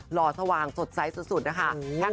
ห่อสว่างสดใสสุดนะคะ